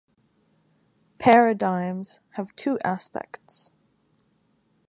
Paradigms have two aspects.